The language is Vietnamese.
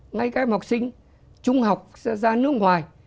ngay cái học sinh trung học ra nước ngoài